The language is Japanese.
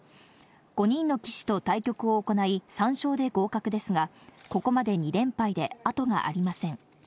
５人の棋士と対局を行い、３勝で合格ですが、ここまで２連敗で後がありません。